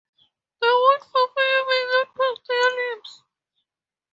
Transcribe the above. The word for fire may not pass their lips.